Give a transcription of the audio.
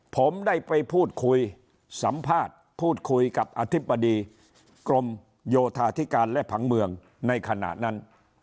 ผมได้ไปพูดคุยสัมภาษณ์พูดคุยกับอธิบดีกรมโยธาธิการและผังเมืองในขณะนั้น